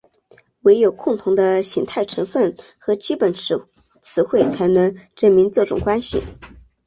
惟有共同的形态成分和基本词汇才能证明这种关系。